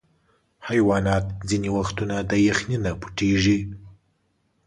حیوانات ځینې وختونه د یخني نه پټیږي.